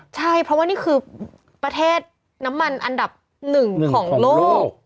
ใช่เพราะว่านี่คือประเทศน้ำมันอันดับหนึ่งของโลก